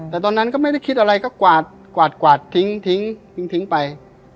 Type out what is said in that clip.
แต่ตอนนั้นก็ไม่ได้คิดอะไรก็กวาดกวาดทิ้งทิ้งไป